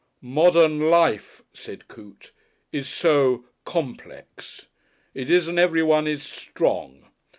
"Modern life," said Coote, "is so complex. It isn't everyone is Strong.